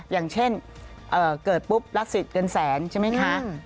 อย่างเช่นเกิดปุ๊บรับสิทธิ์เงินแสนใช่ไหมคะ